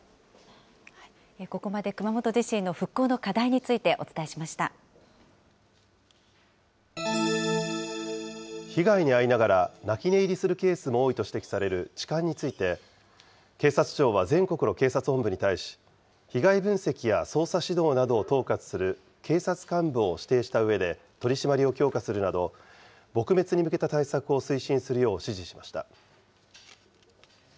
ここまで熊本地震の復興の課被害に遭いながら、泣き寝入りするケースも多いと指摘される痴漢について、警察庁は全国の警察本部に対し、被害分析や捜査指導などを統括する警察幹部を指定したうえで、取締りを強化するなど、撲滅に向けた対策を推進するよう指示しました。